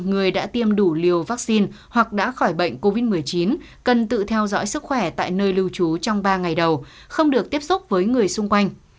người đã tiêm đủ liều vaccine hoặc đã khỏi bệnh covid một mươi chín cần tự theo dõi sức khỏe tại nơi lưu trú trong ba ngày đầu không được tiếp xúc với người xung quanh